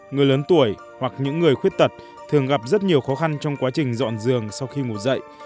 người lớn tuổi hoặc những người khuyết tật thường gặp rất nhiều khó khăn trong quá trình dọn giường sau khi ngủ dậy